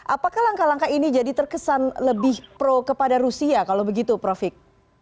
apakah langkah langkah ini jadi terkesan lebih pro kepada rusia kalau begitu profik